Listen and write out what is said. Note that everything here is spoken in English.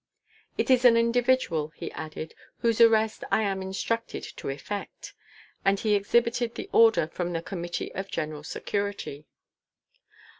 "It is an individual," he added, "whose arrest I am instructed to effect," and he exhibited the order from the Committee of General Security.